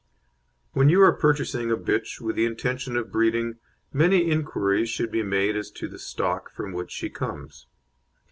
When you are purchasing a bitch with the intention of breeding, many inquiries should be made as to the stock from which she comes.